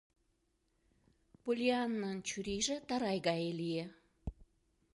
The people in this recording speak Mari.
Поллианнан чурийже тарай гай лие.